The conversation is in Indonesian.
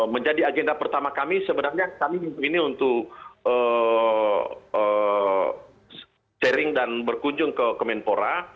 menjadi agenda pertama kami sebenarnya kami ini untuk sharing dan berkunjung ke kemenpora